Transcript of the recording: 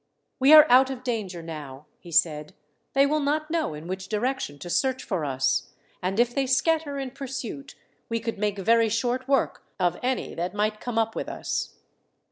"We are out of danger now," he said. "They will not know in which direction to search for us; and if they scatter in pursuit we could make very short work of any that might come up with us."